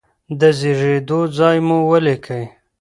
د زیږیدو ځای مو ولیکئ.